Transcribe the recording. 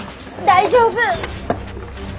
大丈夫。